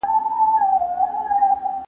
آيا براون د وده او پرمختيا ترمنځ توپير مني؟